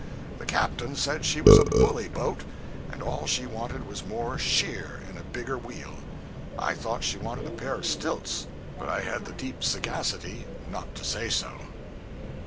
The captain said she was a "bully" boat, and all she wanted was more "shear" and a bigger wheel. I thought she wanted a pair of stilts, but I had the deep sagacity not to say so.